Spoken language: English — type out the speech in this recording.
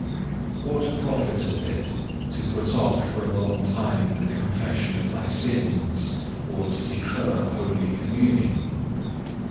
4. What profiteth it to put off for long time the confession of thy sins, or to defer Holy Communion?